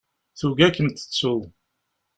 Tugi ad kem-tettu.